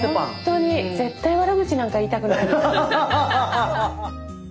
絶対悪口なんか言いたくないもん。